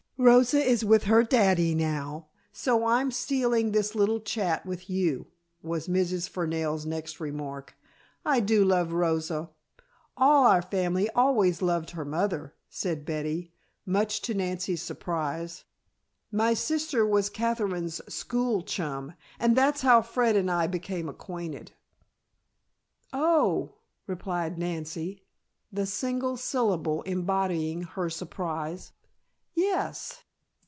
"Rosa is with her daddy now, so I'm stealing this little chat with you," was Mrs. Fernell's next remark. "I do love Rosa all our family always loved her mother," said Betty, much to Nancy's surprise. "My sister was Katherine's school chum, and that's how Fred and I became acquainted." "Oh," replied Nancy, the single syllable embodying her surprise. "Yes."